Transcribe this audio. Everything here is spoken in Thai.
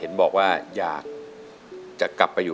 อเรนนี่คือเหตุการณ์เริ่มต้นหลอนช่วงแรกแล้วมีอะไรอีก